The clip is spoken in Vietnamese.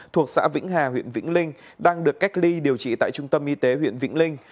thuộc xã vĩnh hà huyện vĩnh linh đang được cách ly điều trị tại trung tâm y tế huyện vĩnh linh